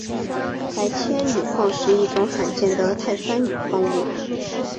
白铅铝矿是一种罕见的碳酸铝矿物。